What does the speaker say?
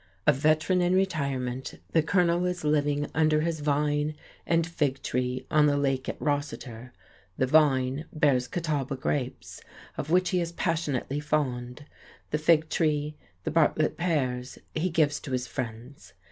A veteran in retirement, the Colonel is living under his vine and fig tree on the lake at Rossiter; the vine bears Catawba grapes, of which he is passionately fond; the fig tree, the Bartlett pears he gives to his friends.